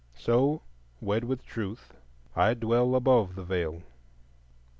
So, wed with Truth, I dwell above the Veil.